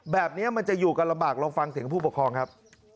แบบนี้มันจะอยู่กันลำบากลองฟังเสียงผู้ปกครองครับ